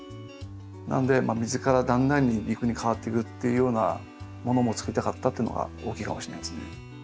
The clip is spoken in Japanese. なので水からだんだんに陸に変わっていくっていうようなものもつくりたかったっていうのが大きいかもしれないですね。